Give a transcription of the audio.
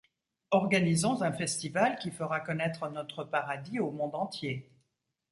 Organisons un festival qui fera connaitre notre paradis au monde entier.